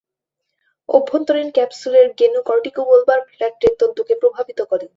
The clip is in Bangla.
অভ্যন্তরীণ ক্যাপসুলের গেনু কর্টিকোবুলবার ট্র্যাক্টের তন্তুকে প্রভাবিত করে।